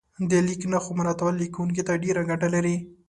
د لیک نښو مراعاتول لیکونکي ته ډېره ګټه لري.